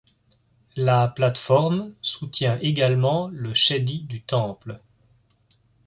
La plate-forme soutient également le chedi du temple.